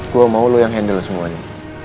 gue mau lo yang handle semuanya